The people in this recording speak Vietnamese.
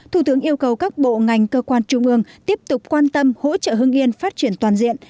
thủ tướng yêu cầu các bộ ngành cơ quan trung ương tiếp tục quan tâm hỗ trợ hương yên phát triển toàn diện